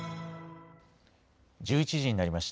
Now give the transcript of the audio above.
１１時になりました。